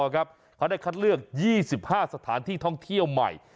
เขาได้คัดเลือก๒๕สถานที่ท่องเที่ยวใหม่